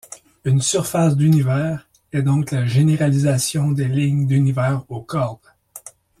Une surface d'univers est donc la généralisation des lignes d'univers aux cordes.